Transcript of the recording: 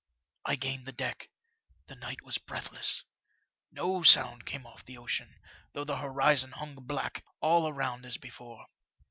I gained the deck. The night was breathless. No sound came off the ocean, though the horizon hung black all around as before.